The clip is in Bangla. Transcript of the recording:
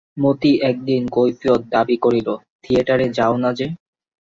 মতি একদিন কৈফিয়ত দাবি করিল, থিয়েটারে যাও না যে!